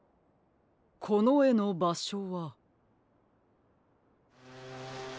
このえのばしょは。